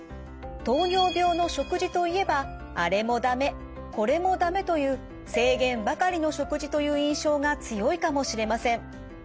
糖尿病の食事といえばあれも駄目これも駄目という制限ばかりの食事という印象が強いかもしれません。